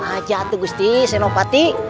atu tenang aja atu gusti senopati